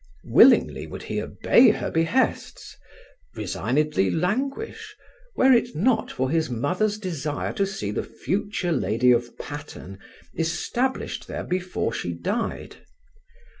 Willingly would he obey her behests, resignedly languish, were it not for his mother's desire to see the future lady of Patterne established there before she died.